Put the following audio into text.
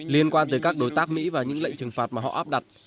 liên quan tới các đối tác mỹ và những lệnh trừng phạt mà họ áp đặt